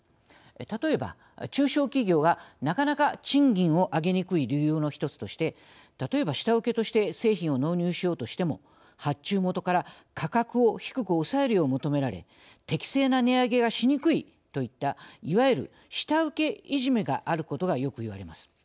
例えば、中小企業がなかなか賃金を上げにくい理由の１つとして例えば、下請けとして製品を納入しようとしても発注元から価格を低く抑えるよう求められ適正な値上げがしにくいといったいわゆる下請けいじめがあることがよく言われます。